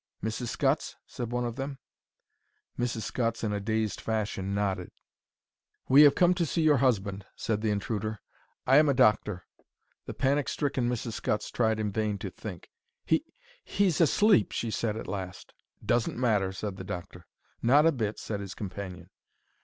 "Mrs. Scutts?" said one of them. Mrs. Scutts, in a dazed fashion, nodded. "We have come to see your husband," said the intruder. "I am a doctor." The panic stricken Mrs. Scutts tried in vain to think. "He he's asleep," she said, at last. "Doesn't matter," said the doctor. "Not a bit," said his companion.